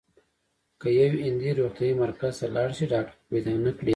که یو هندی روغتیايي مرکز ته لاړ شي ډاکټر پیدا نه کړي.